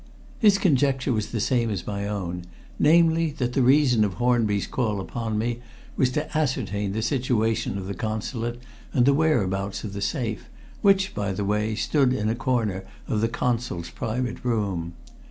His conjecture was the same as my own, namely, that the reason of Hornby's call upon me was to ascertain the situation of the Consulate and the whereabouts of the safe, which, by the way, stood in a corner of the Consul's private room.